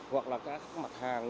hoặc là các mặt hàng